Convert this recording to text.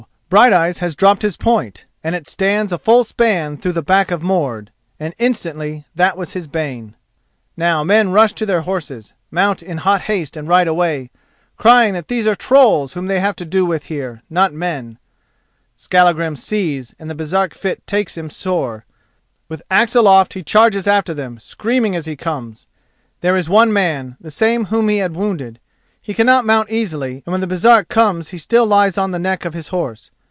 Brighteyes has dropped his point, and it stands a full span through the back of Mord, and instantly that was his bane. Now men rush to their horses, mount in hot haste and ride away, crying that these are trolls whom they have to do with here, not men. Skallagrim sees, and the Baresark fit takes him sore. With axe aloft he charges after them, screaming as he comes. There is one man, the same whom he had wounded. He cannot mount easily, and when the Baresark comes he still lies on the neck of his horse.